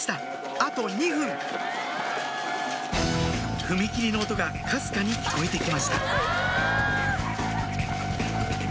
あと２分踏切の音がかすかに聞こえて来ました